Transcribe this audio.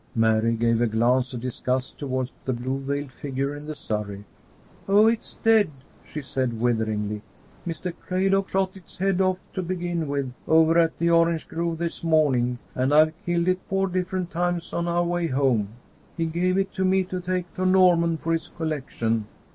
Mary gave a glance of disgust toward the blue veiled figure in the surrey. "Oh, it's dead," she said, witheringly. "Mr. Craydock shot its head off to begin with, over at the orange grove this morning, and I've killed it four different times on our way home. He gave it to me to take to Norman for his collection.